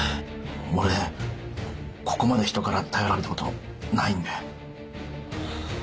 俺ここまで人から頼られたことないんで。